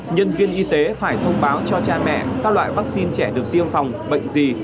nhân viên y tế phải thông báo cho cha mẹ các loại vaccine trẻ được tiêm phòng bệnh gì